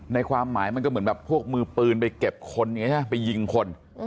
ในความหมายมันก็เหมือนแบบพวกมือปืนไปเก็บคนเนี่ยฮะไปยิงคน